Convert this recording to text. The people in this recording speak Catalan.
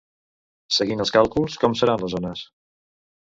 Seguint els càlculs, com seran les ones?